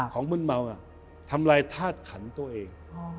มึนเมาทำลายธาตุขันตัวเอง